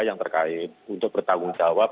yang terkait untuk bertanggung jawab